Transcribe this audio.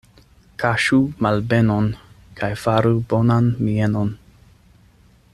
Kaŝu malbenon kaj faru bonan mienon.